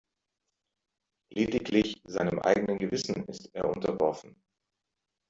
Lediglich seinem eigenen Gewissen ist er unterworfen.